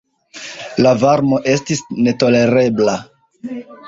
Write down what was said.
La varmo estis netolerebla.